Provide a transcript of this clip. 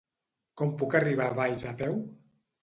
Com puc arribar a Valls a peu?